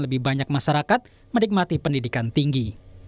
lebih banyak masyarakat menikmati pendidikan tinggi